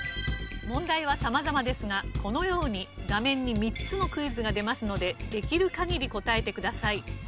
問題は様々ですがこのように画面に３つのクイズが出ますのでできる限り答えてください。